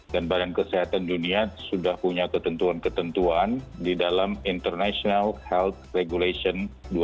dan badan kesehatan dunia sudah punya ketentuan ketentuan di dalam international health regulation dua ribu lima